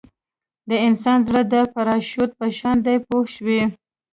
د انسان زړه د پراشوټ په شان دی پوه شوې!.